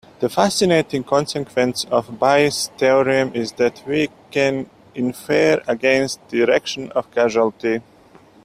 The fascinating consequence of Bayes' theorem is that we can infer against the direction of causality.